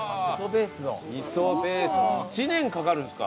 １年かかるんですか？